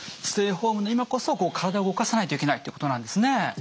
ステイホームの今こそ体を動かさないといけないってことなんですね。